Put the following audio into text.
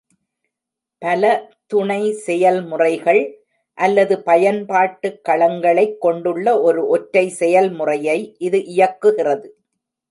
பல துணை-செயல்முறைகள் அல்லது பயன்பாட்டு களங்களைக் கொண்டுள்ள ஒரு ஒற்றை செயல்முறையை இது இயக்குகிறது.